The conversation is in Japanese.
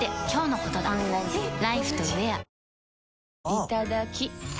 いただきっ！